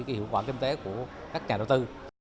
hiệu quả kinh tế của các nhà đầu tư